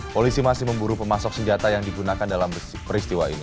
polisi masih memburu pemasok senjata yang digunakan dalam peristiwa ini